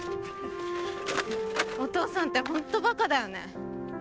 お父さんってホントバカだよね